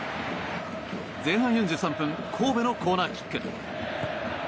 前半４２分神戸のコーナーキック。